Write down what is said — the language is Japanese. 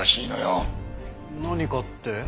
何かって？